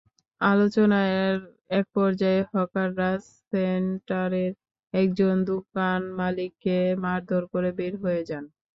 আলোচনার একপর্যায়ে হকাররা সেন্টারের একজন দোকানমালিককে মারধর করে বের হয়ে যান।